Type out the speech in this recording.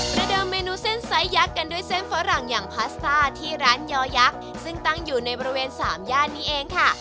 ระเดิมเมนูเส้นไซสยักษ์กันด้วยเส้นฝรั่งอย่างพาสต้าที่ร้านยอยักษ์ซึ่งตั้งอยู่ในบริเวณสามย่านนี้เองค่ะ